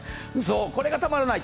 これがたまらない。